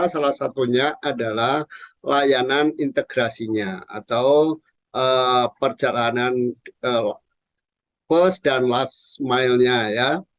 salah satunya adalah layanan integrasinya atau perjalanan bus dan last mile nya ya